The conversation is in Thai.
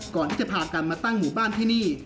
ก่อนที่จะพากันมาตั้งหมู่บ้านที่นี่